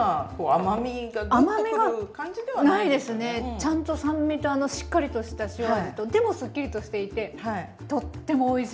ちゃんと酸味としっかりとした塩味とでもすっきりとしていてとってもおいしい。